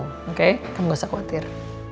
oke gak usah khawatir